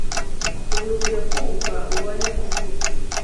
Ihutire kumva ubone kuvuga.